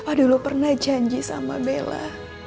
ah dulu pernah janji sama bella